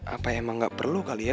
apa emang nggak perlu kali ya